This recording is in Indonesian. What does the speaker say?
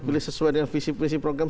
beli sesuai dengan visi visi program